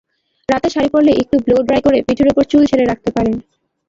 রাতে শাড়ি পরলে একটু ব্লো ড্রাই করে পিঠের ওপর চুল ছেড়ে রাখতে পারেন।